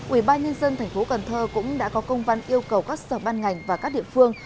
ủy ban nhân dân thành phố cần thơ cũng đã có công văn yêu cầu các sở ban ngành và các địa phương